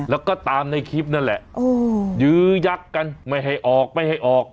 แล้วก็ตามในคลิปนั่นแหละยื้อยักษ์กันไม่ให้ออกไม่ให้ออก